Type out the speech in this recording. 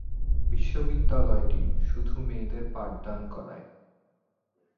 বিশ্ববিদ্যালয়টি শুধু মেয়েদের পাঠদান করায়।